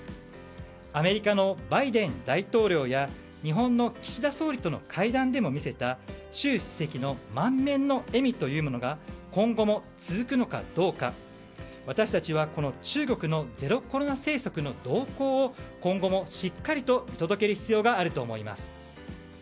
アメリカのバイデン大統領や日本の岸田総理との会談でも見せた習主席の満面の笑みというのが今後も続くのかどうか私たちは中国のゼロコロナ政策の動向を今後もしっかりと見届ける必要があると思います。